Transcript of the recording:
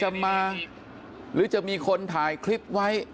หรือจะมีคนไถ้ทริปไว้